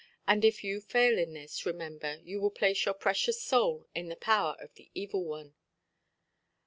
And if you fail in this, remember, you will place your precious soul in the power of the evil one".